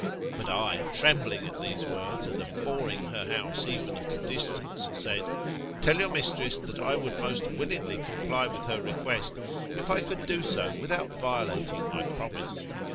But I, trembling at these words, and abhorring her house even at a distance, said, Tell your mistress that I would most willingly comply with her request, if I could do so without violating my promise.